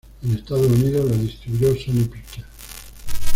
En Estados Unidos la distribuyó Sony Pictures.